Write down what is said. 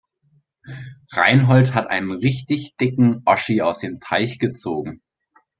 Reinhold hat einen richtig dicken Oschi aus dem Teich gezogen.